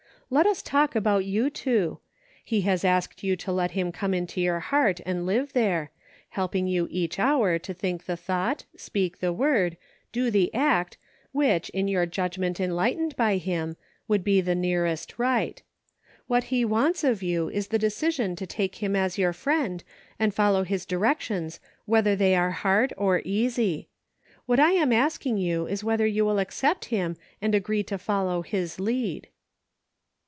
Let us talk about you two ; he has asked you to let him come into your heart and live there, helping you each hour to think the thought, speak the word, do the act, which in your judgment enlightened by him, would be the nearest right. What he wants of you is the decision to take him as your friend and follow his directions whether they are hard or easy. What I am asking you is whether you will accept him and agree to follow his lead."